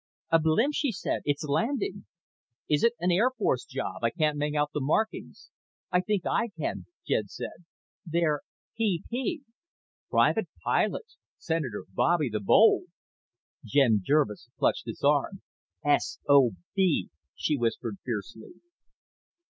"A blimp!" she said. "It's landing!" "Is it an Air Force job? I can't make out the markings." "I think I can," Jen said. "They're PP." "Private Pilots! Senator Bobby the Bold!" Jen Jervis clutched his arm. "S.O.B.!" she whispered fiercely.